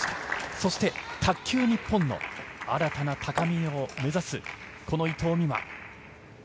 そして、卓球日本の新たな高みを目指す伊藤美誠。